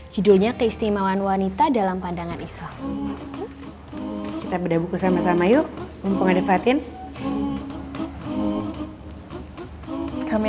judulnya keistimewaan wanita dalam pandangan islam